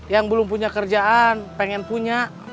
yang belum punya kerjaan pengen punya